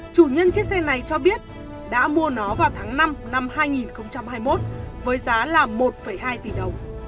chủ nhân chiếc xe này cho biết đã mua nó vào tháng năm năm hai nghìn hai mươi một với giá là một hai tỷ đồng